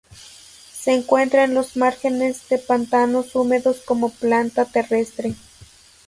Se encuentra en los márgenes de pantanos húmedos como planta terrestre.